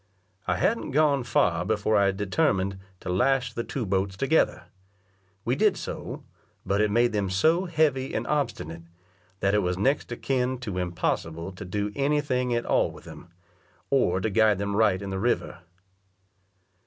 I hadn't gone far before I determined to lash the two boats together; we did so, but it made them so heavy and obstinate, that it was next akin to impossible to do any thing at all with them, or to guide them right in the river.